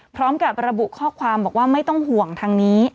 พร้อมกับระบุข้อความบอกว่าไม่ต้องห่วงทางนี้